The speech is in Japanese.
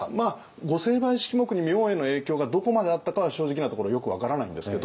御成敗式目に明恵の影響がどこまであったかは正直なところよく分からないんですけど